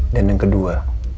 dan yang kedua